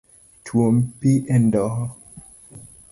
Twom pi e ndoho.